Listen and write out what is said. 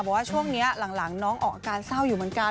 บอกว่าช่วงนี้หลังน้องออกอาการเศร้าอยู่เหมือนกัน